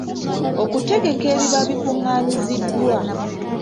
Okutegeka ebiba bikungaanyiziddwa.